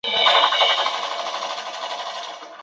曾任台湾大学心理学系及心理科学研究中心讲座教授。